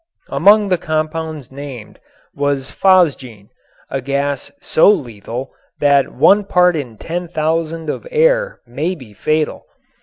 Among the compounds named was phosgene, a gas so lethal that one part in ten thousand of air may be fatal.